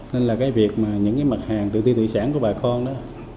nên là cái việc mà những cái mặt hàng tự ti tự sản của bà con đó